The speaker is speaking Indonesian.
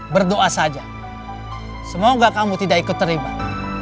berdoa saja semoga kamu tidak ikut terlibat